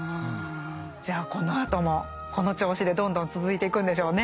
じゃあこのあともこの調子でどんどん続いていくんでしょうね。